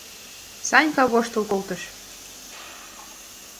— Санька, воштыл колтыш.